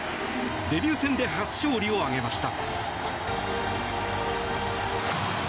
デビュー戦で初勝利を挙げました。